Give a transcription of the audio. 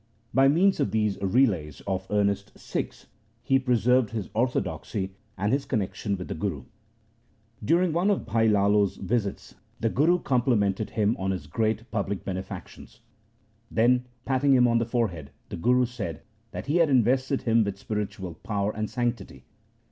By means of these relays of earnest Sikhs he preserved his orthodoxy and his connexion with the Guru. During one of Bhai Lalo's visits the Guru com plimented him on his great public benefactions. Then, patting him on the forehead, the Guru said that he had invested him with spiritual power and sanctity.